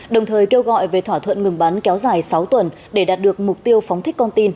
đồng thời kêu gọi về thỏa thuận ngừng bắn kéo dài sáu tuần để đạt được mục tiêu phóng thích con tin